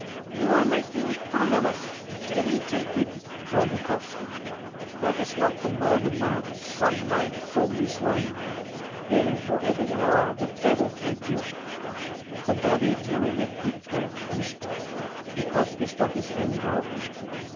" You are making fun of us, devil take it !" cried Du kovski. " That is not the murdered man ! Some live fool is lying here. Here, whoever you are, the devil take you !" 176 Anton Chekhoff The body drew in a quick breath and stirred. Dukovski stuck his elbow into it.